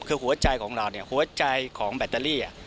คือหัวใจของเราเนี่ยหัวใจของแบตเตอรี่